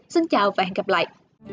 xin chào và hẹn gặp lại